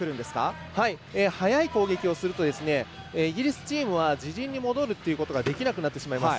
速い攻撃をするとイギリスチームは自陣に戻るということができなくなってしまいます。